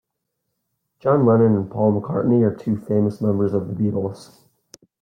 John Lennon and Paul McCartney are two famous members of the Beatles.